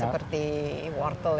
ya seperti wortel ya